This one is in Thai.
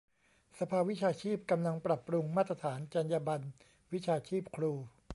สภาวิชาชีพกำลังปรับปรุงมาตรฐานจรรยาบรรณวิชาชีพครู